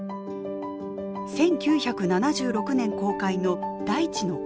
１９７６年公開の「大地の子守歌」。